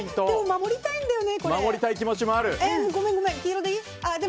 守りたいんだよね。